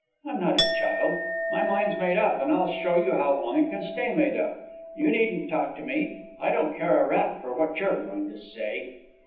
I'm not a child. My mind's made up, and I'll show you how long it can stay made up. You needn't talk to me. I don't care a rap for what you're going to say."